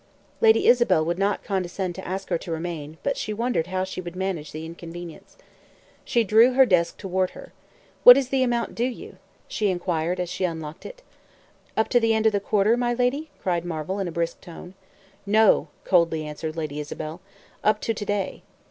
Lady Isabel would not condescend to ask her to remain, but she wondered how she should manage the inconvenience. She drew her desk toward her. "What is the amount due to you?" she inquired, as she unlocked it. "Up to the end of the quarter, my lady?" cried Marvel, in a brisk tone. "No," coldly answered Lady Isabel. "Up to to day."